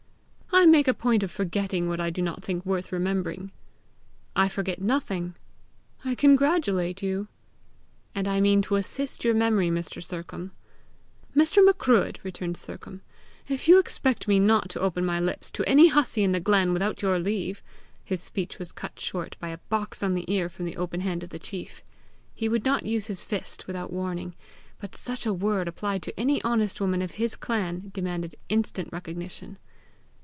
"I make a point of forgetting what I do not think worth remembering." "I forget nothing!" "I congratulate you." "And I mean to assist your memory, Mr. Sercombe." "Mr. Macruadh!" returned Sercombe, "if you expect me not to open my lips to any hussy in the glen without your leave, " His speech was cut short by a box on the ear from the open hand of the chief. He would not use his fist without warning, but such a word applied to any honest woman of his clan demanded instant recognition.